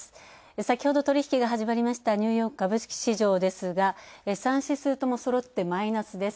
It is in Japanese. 先ほど取引が始まりましたニューヨーク株式市場ですが３指数ともそろってマイナスです。